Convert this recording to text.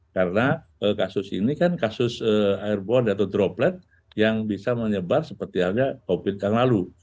karena kasus ini kan kasus airborne atau droplet yang bisa menyebar seperti ada covid tahun lalu